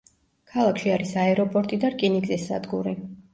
ქალაქში არის აეროპორტი და რკინიგზის სადგური.